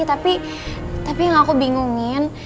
tapi tapi yang aku bingungin